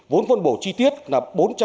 vốn phân bổ chi tiết là bốn trăm bảy mươi năm